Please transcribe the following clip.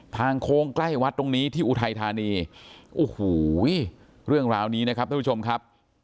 โค้งใกล้วัดตรงนี้ที่อุทัยธานีโอ้โหเรื่องราวนี้นะครับท่านผู้ชมครับ